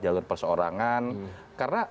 jalur perseorangan karena